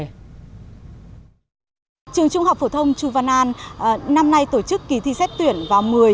trường trung học phổ thông chu văn an năm nay tổ chức kỳ thi xét tuyển vào một mươi